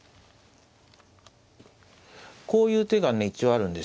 こういう手がね一応あるんですよ。